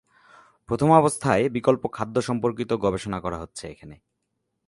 প্রথমাবস্থায় বিকল্প খাদ্য সম্পর্কিত গবেষণা করা হচ্ছে এখানে।